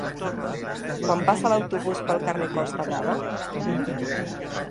Quan passa l'autobús pel carrer Costa Brava?